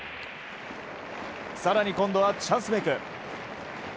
更に、今度はチャンスメーク。